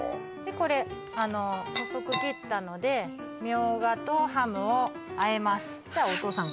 これ細く切ったのでみょうがとハムを和えますじゃお父さん